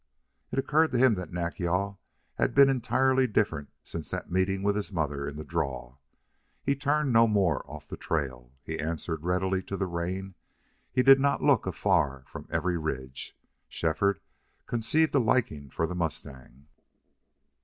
It occurred to him that Nack yal had been entirely different since that meeting with his mother in the draw. He turned no more off the trail; he answered readily to the rein; he did not look afar from every ridge. Shefford conceived a liking for the mustang.